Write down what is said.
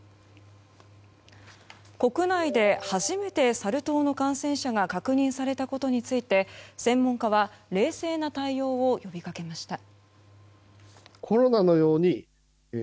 国内で初めてサル痘の感染者が確認されたことについて専門家は冷静な対応を呼びかけました。